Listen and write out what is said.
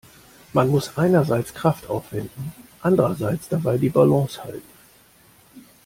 Man muss einerseits Kraft aufwenden, andererseits dabei die Balance halten.